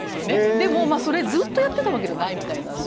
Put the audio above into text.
でもそれずっとやってたわけじゃないみたいなんで。